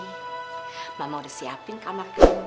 mama udah siapin kamar kem